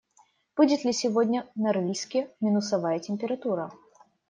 Будет ли сегодня в Норильске минусовая температура?